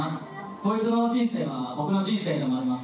こいつの人生は、僕の人生でもあります。